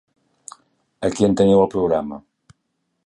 Aquí en teniu el programa.